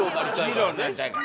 ヒーローになりたいから。